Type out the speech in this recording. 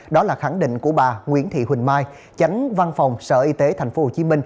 đó là khẳng định của bà nguyễn thị huỳnh mai chánh văn phòng sở y tế tp hcm